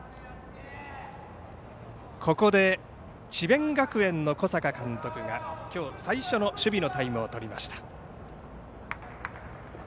ここで智弁学園の小坂監督がきょう最初の守備のタイムをとりました。